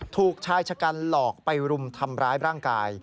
ถูกชายชะกันหลอกไปรุมทำร้ายร่างกาย